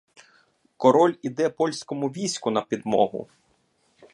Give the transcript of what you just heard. Король іде польському війську на підмогу.